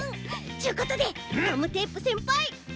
ちゅことでガムテープせんぱい。